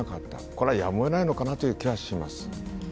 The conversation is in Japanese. これはやむをえないのかなと思います。